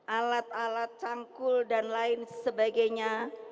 alat alat cangkul dan lain sebagainya